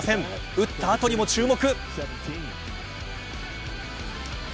打った後にも注目。